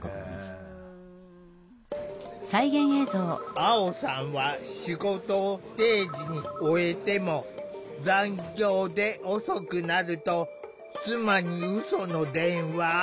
アオさんは仕事を定時に終えても「残業で遅くなる」と妻にうその電話。